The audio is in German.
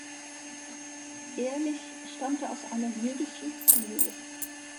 Ehrlich stammte aus einer jüdischen Familie.